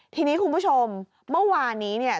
ทีนี้คุณผู้ชมเมื่อวานนี้เนี่ย